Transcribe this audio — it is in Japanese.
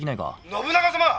「信長様！